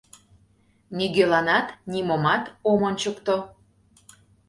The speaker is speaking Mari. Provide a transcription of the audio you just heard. Нигӧланат нимомат ом ончыкто.